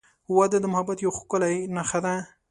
• واده د محبت یوه ښکلی نښه ده.